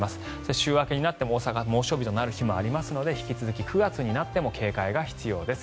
週明けになっても、大阪猛暑日となる日がありますので引き続き９月になっても警戒が必要です。